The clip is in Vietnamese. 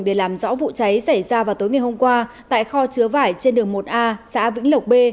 để làm rõ vụ cháy xảy ra vào tối ngày hôm qua tại kho chứa vải trên đường một a xã vĩnh lộc b